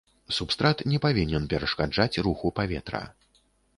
Субстрат не павінен перашкаджаць руху паветра.